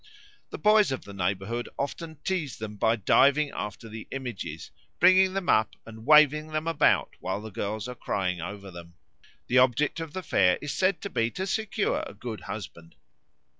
The boys of the neighbourhood often tease them by diving after the images, bringing them up, and waving them about while the girls are crying over them. The object of the fair is said to be to secure a good husband.